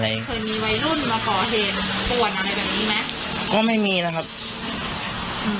เคยมีวัยรุ่นมาก่อเหตุป่วนอะไรแบบนี้ไหมก็ไม่มีนะครับอืม